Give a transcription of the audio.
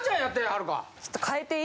はるか。